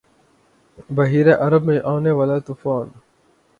بحیرہ عرب میں آنے والا ’طوفان